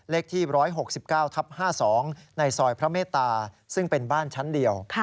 เลขที่๑๖๙ทับ๕๒ในซอยพระเมตตาซึ่งเป็นบ้านชั้นเดียว